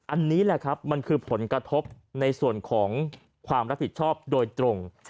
อันนี้แหละครับมันคือผลกระทบในส่วนของความรับผิดชอบโดยตรง